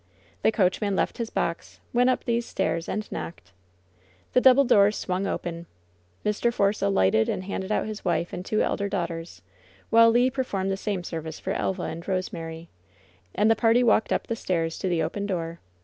The coachman left his box, went up these stairs and knocked. The double doors swung open. Mr. Force alighted and handed out his wife and two elder daughters, while Le performed the same service for Elva and Eosemary, and the party walked up the stairs to the open door.